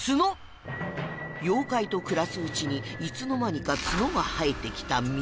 妖怪と暮らすうちにいつの間にか角が生えてきた澪